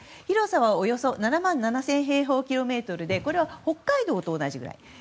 広さはおよそ７万７０００平方キロメートルでこれは北海道と同じぐらい。